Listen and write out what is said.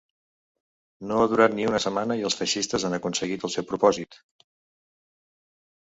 No ha durat ni una setmana i els feixistes han aconseguit el seu propòsit.